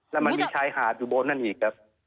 แล้วมันมีชายหาดอยู่บนนั้นอีกครับ